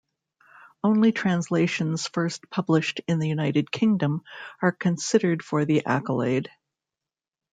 Only translations first published in the United Kingdom are considered for the accolade.